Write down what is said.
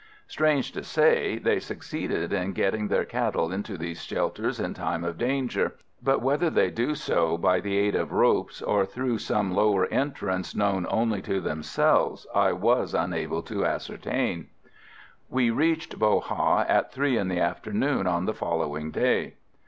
Strange to say, they succeed in getting their cattle into these shelters in time of danger, but whether they do so by the aid of ropes, or through some lower entrance known only to themselves, I was unable to ascertain. We reached Bo Ha at three in the afternoon on the following day.